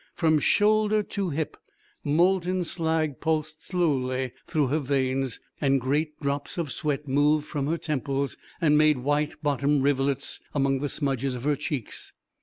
From shoulder to hip molten slag pulsed slowly through her veins and great drops of sweat moved from her temples and made white bottomed rivulets among the smudges of her cheeks.